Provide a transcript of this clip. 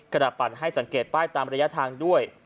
กระดาษปั่นให้สังเกตป้ายตามระยะทางด้วย